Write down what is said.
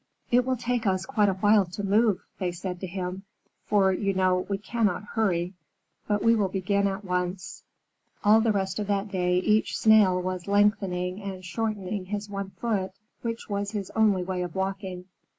"It will take us quite a while to move," they said to him, "for you know we cannot hurry, but we will begin at once." All the rest of that day each Snail was lengthening and shortening his one foot, which was his only way of walking.